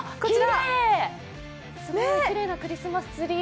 きれいなクリスマスツリー。